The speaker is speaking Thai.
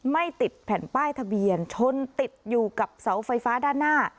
ไม่ติดแผ่นป้ายทะเบียนชนติดอยู่กับเสาไฟฟ้าด้านหน้า